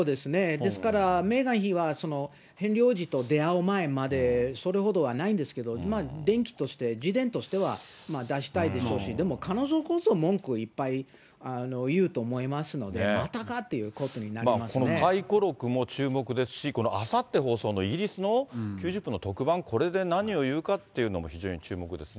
ですから、メーガン妃がヘンリー王子と出会う前まで、それほどはないんですけど、伝記として、自伝としては出したいでしょうし、でも彼女こそ、文句をいっぱい言うと思いますので、またかっていうことになりまこの回顧録も注目ですし、このあさって放送のイギリスの９０分の特番、これで何を言うかっていうのも非常に注目ですね。